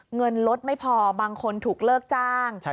เงินลดไม่พอบางคนถูกเลิกจ้าง